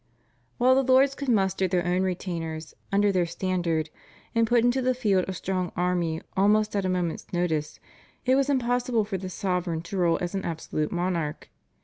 While the Lords could muster their own retainers under their standard and put into the field a strong army almost at a moment's notice, it was impossible for the sovereign to rule as an absolute monarch.